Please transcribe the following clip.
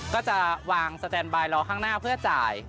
ก็จะวางสแตนบายรอข้างหน้าเพื่อจ่าย